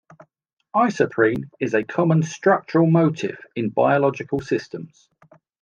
Isoprene is a common structural motif in biological systems.